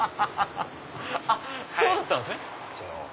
そうだったんですね！